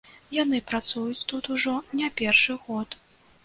Яны працуюць тут ужо не першы год.